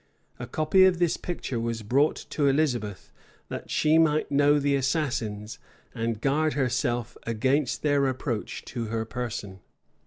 A copy of this picture was brought to Elizabeth, that she might know the assassins, and guard herself against their approach to her person.